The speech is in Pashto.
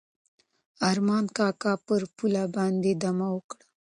ارمان کاکا پر پوله باندې دمه وکړه.